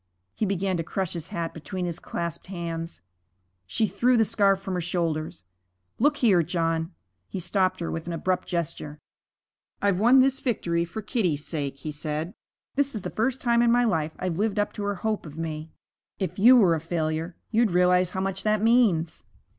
He began to crush his hat between his clasped hands. She threw the scarf from her shoulders. 'Look here, John ' He stopped her with an abrupt gesture. 'I've won this victory for Kitty's sake,' he said. 'This is the first time in my life I've lived up to her hope of me. If you were a failure you'd realize how much that means.'